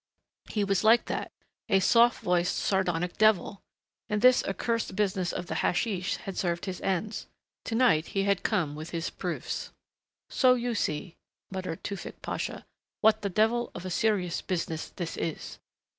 He was like that, a soft voiced, sardonic devil! And this accursed business of the hasheesh had served his ends. To night, he had come with his proofs.... "So you see," muttered Tewfick Pasha, "what the devil of a serious business this is.